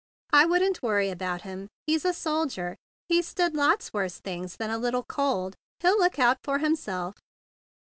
"I wouldn't worry about him. He's a soldier. He's stood lots worse things than a little cold. He'll look out for himself."